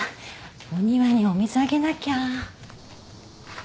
お庭にお水あげなきゃ。